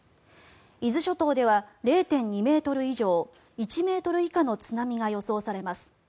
伊豆諸島では０．２ｍ以上１ｍ以下の津波が予想されます。